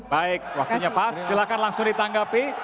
baik waktunya pas silahkan langsung ditanggapi